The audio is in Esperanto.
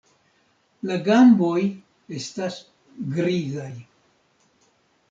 La gamboj estas grizaj.